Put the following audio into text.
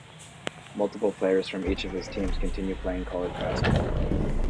Multiple players from each of his teams continue playing college basketball.